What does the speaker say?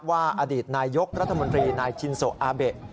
อดีตนายกรัฐมนตรีนายชินโซอาเบะ